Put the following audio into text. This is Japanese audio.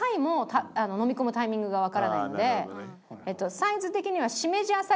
サイズ的には。